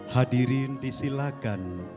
hadirin di silagan